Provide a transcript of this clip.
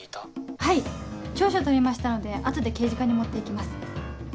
はい調書を取りましたので後で刑事課に持って行きます。